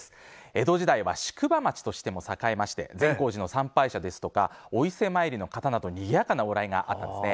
江戸時代は宿場町として栄え善光寺の参拝者ですとかお伊勢参りの方などにぎやかな往来があったんです。